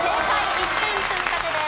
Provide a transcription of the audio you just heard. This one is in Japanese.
１点積み立てです。